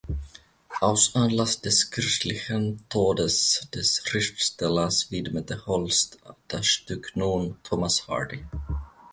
Aus Anlass des kürzlichen Todes des Schriftstellers widmete Holst das Stück nun Thomas Hardy.